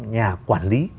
nhà quản lý